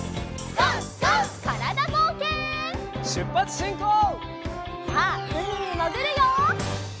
さあうみにもぐるよ！